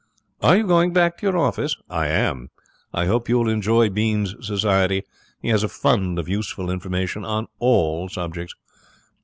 'Are you going back to your office?' 'I am. I hope you will enjoy Bean's society. He has a fund of useful information on all subjects.'